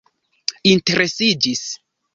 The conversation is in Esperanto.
interesiĝis